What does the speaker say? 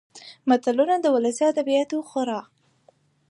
متلونه د ولسي ادبياتو خورا .